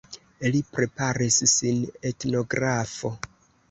Li preparis sin etnografo.